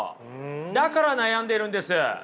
だから悩んでるんです。